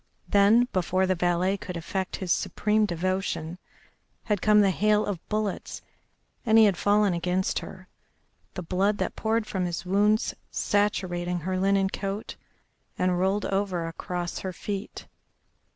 Then before the valet could effect his supreme devotion had come the hail of bullets, and he had fallen against her, the blood that poured from his wounds saturating her linen coat, and rolled over across her feet.